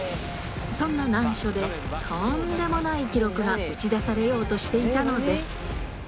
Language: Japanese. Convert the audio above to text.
そんな難所で、とんでもない記録が打ち出されようとしていたのです。